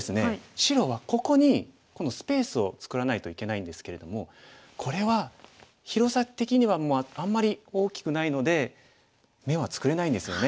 白はここに今度スペースを作らないといけないんですけれどもこれは広さ的にはあんまり大きくないので眼は作れないんですよね。